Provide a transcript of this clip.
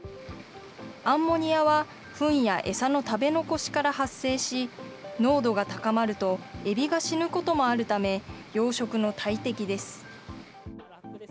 アンモニアはふんや餌の食べ残しから発生し、濃度が高まるとエビが死ぬこともあるため、養殖の大敵です。